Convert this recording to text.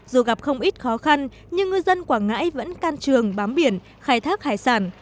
dù gặp không ít khó khăn nhưng ngư dân quảng ngãi vẫn can trường bám biển khai thác hải sản